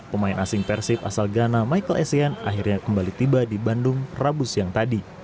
pemain asing persib asal ghana michael essien akhirnya kembali tiba di bandung rabu siang tadi